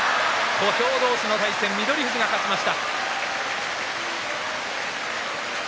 小兵同士の対戦は翠富士が勝ちました。